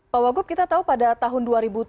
pak wagub kita tahu pada tahun dua ribu tujuh belas